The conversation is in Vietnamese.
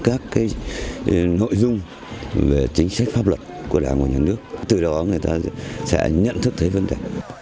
các nội dung về chính sách pháp luật của đảng và nhà nước từ đó người ta sẽ nhận thức thấy vấn đề